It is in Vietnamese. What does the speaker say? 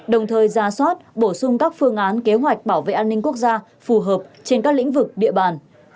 đồng thời ra soát bổ sung các phương án kế hoạch bảo vệ an ninh quốc gia phù hợp trên các lĩnh vực địa bàn